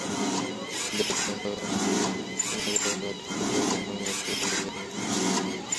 বেতন-ভাতা বাড়ানোর দাবিতে গতকাল শুক্রবার ধর্মঘট শুরু করেছেন জার্মানির ফ্রাঙ্কফুর্ট বিমানবন্দরের নিরাপত্তাকর্মীরা।